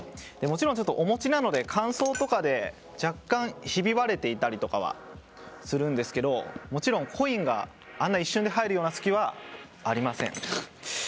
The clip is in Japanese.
もちろんお餅なので乾燥とかで若干ひび割れていたりとかはするんですけどももちろんコインがあんな一瞬で入る隙はありません。